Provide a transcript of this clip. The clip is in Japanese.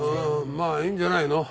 まあいいんじゃないの。